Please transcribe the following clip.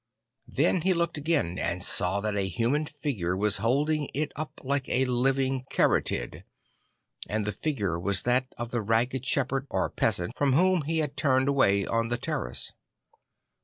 Then he looked again and saw that a human figure was holding it up like a living caryatid; and the figure was that of the ragged shepherd or peasant from \vhom he had turned a wa y on the terrace.